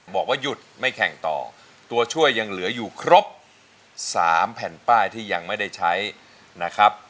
บอกว่าหยุดไม่แข่งต่อตัวช่วยยังเหลืออยู่ครบ๓แผ่นป้ายที่ยังไม่ได้ใช้นะครับ